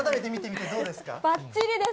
ばっちりです。